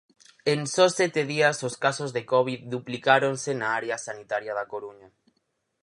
En só sete días os casos de covid duplicáronse na área sanitaria da Coruña.